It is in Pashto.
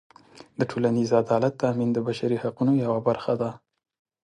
د ټولنیز عدالت تأمین د بشري حقونو یوه برخه ده.